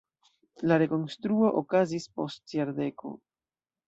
La rekonstruo okazis post jardeko.